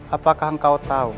apakah engkau tahu